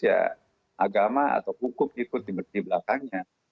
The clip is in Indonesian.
ya agama atau hukum ikut di belakangnya